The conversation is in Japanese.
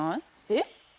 えっ？